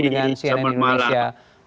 dengan cnn indonesia